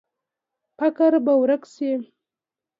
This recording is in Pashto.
فقر به ورک شي؟